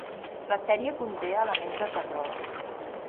La sèrie conté elements de terror.